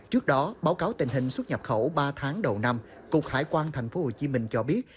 trước đó báo cáo tình hình xuất nhập khẩu ba tháng đầu năm cục hải quan tp hcm cho biết